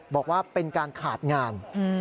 บอกว่าเป็นการขาดงาน